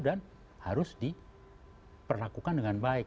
dan harus diperlakukan dengan baik